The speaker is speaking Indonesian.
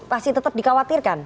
pasti tetap dikhawatirkan